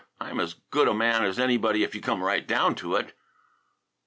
I'm as good a man as anybody if you come right down to it."